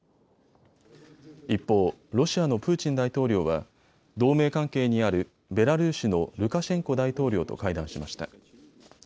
一方、ロシアのプーチン大統領は同盟関係にあるベラルーシのルカシェンコ大統領と会談しました。